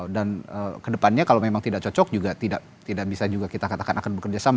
dan ke depannya kalau memang tidak cocok juga tidak bisa juga kita katakan akan bekerja sama